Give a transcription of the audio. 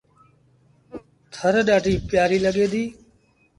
ٿر ڏآڍيٚ پيٚآريٚ لڳي ديٚ۔